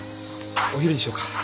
お昼にしようか。